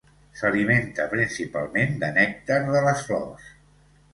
S'alimenta principalment de nèctar de les flors.